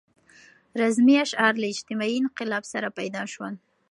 رزمي اشعار له اجتماعي انقلاب سره پیدا شول.